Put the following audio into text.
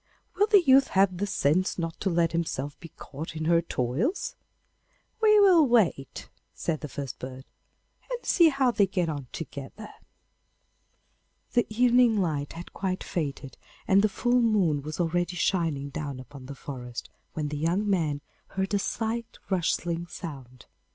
'Will the youth have the sense not to let himself be caught in her toils?' 'We will wait,' said the first bird, 'and see how they get on together.' The evening light had quite faded, and the full moon was already shining down upon the forest, when the young man heard a slight rustling sound.